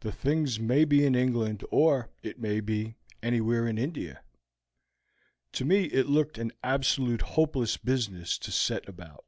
The things may be in England or, it may be, anywhere in India. To me it looked an absolutely hopeless business to set about.